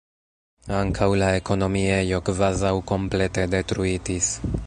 Ankaŭ la ekonomiejo kvazaŭ komplete detruitis.